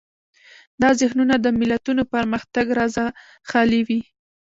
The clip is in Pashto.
دا ذهنونه د ملتونو پرمختګ رازه خالي وي.